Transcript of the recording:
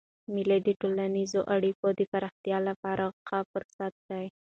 مېلې د ټولنیزو اړیکو د پراختیا له پاره ښه فرصتونه دي.